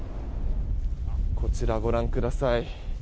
こちら、ご覧ください。